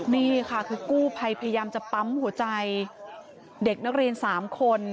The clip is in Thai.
นี่ค่ะคือกู้ภัยพยายามจะปั๊มหัวใจเด็กนักเรียน๓คน